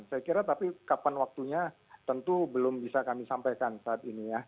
saya kira tapi kapan waktunya tentu belum bisa kami sampaikan saat ini ya